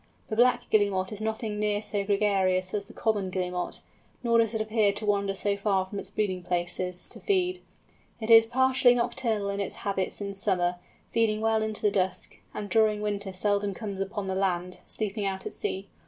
The Black Guillemot is nothing near so gregarious as the Common Guillemot, nor does it appear to wander so far from its breeding places to feed. It is partially nocturnal in its habits in summer, feeding well into the dusk, and during winter seldom comes upon the land, sleeping out at sea.